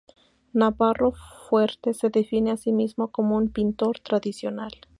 Navarro Fuerte se define a sí mismo como un "pintor tradicional".